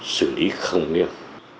sử lý không nghiêm